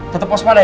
tetep pos pada ya